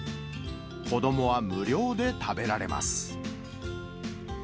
子どもは無料で食べられます。